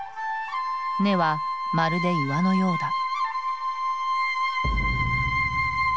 根はまるで岩のようだ。